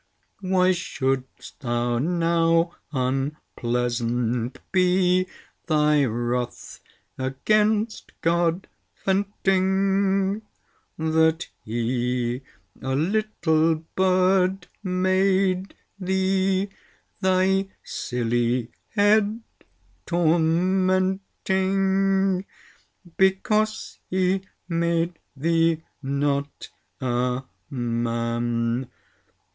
Why shouldst thou now unpleasant be, ¬Ý¬Ý¬Ý¬ÝThy wrath against God venting, That He a little bird made thee, ¬Ý¬Ý¬Ý¬ÝThy silly head tormenting, Because He made thee not a man?